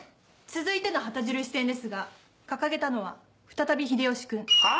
続いての旗印戦ですが掲げたのは再び秀吉君。は？